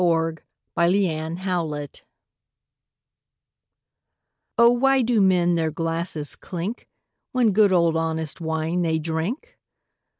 THE FIVE SENSES Oh, why do men their glasses clink When good old honest wine they drink?